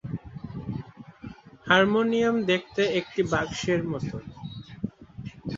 Harmonium দেখতে একটি বাক্সের মতো।